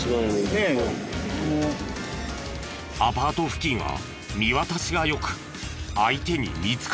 アパート付近は見渡しが良く相手に見つかりやすい。